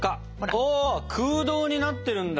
わ空洞になってるんだ。